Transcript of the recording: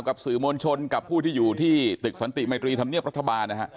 กับสื่อมวลชนกับผู้ที่อยู่ที่ตึกสันติมัยตรีธรรมเนียบรัฐบาลนะฮะ